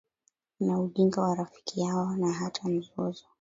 na ujinga wa rafiki yao Na hata mzozo